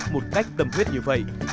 một cách tầm huyết như vậy